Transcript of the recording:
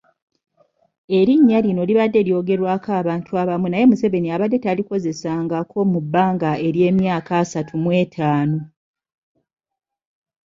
Erinnya lino libadde lyogerwako abantu abamu naye Museveni abadde talikozesangako mu bbanga ly'emyaka asatumw'etaano.